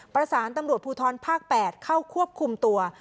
ประสานตำรวจภูทรภาค๘เข้าควบคุมตัว